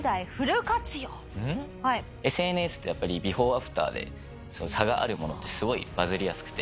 ＳＮＳってやっぱりビフォーアフターで差があるものってすごいバズりやすくて。